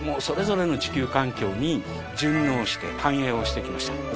それぞれの地球環境に順応して繁栄をしてきました。